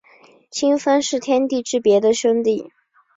清风是天地之别的兄弟。